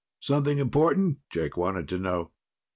"Something important?" Jake wanted to know.